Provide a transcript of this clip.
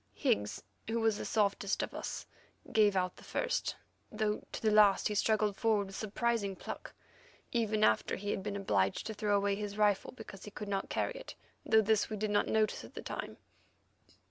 Higgs, who was the softest of us, gave out the first, though to the last he struggled forward with surprising pluck, even after he had been obliged to throw away his rifle, because he could no longer carry it, though this we did not notice at the time.